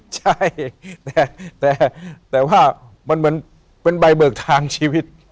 ใช่แต่ว่ามันเหมือนเป็นใบเบิกทางชีวิต